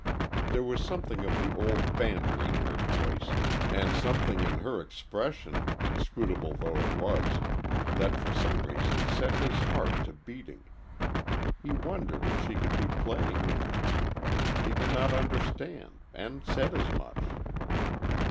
There was something of the old banter in her voice, and something in her expression, inscrutable though it was, that for some reason set his heart to beating. He wondered if she could be playing with him. He could not understand, and said as much.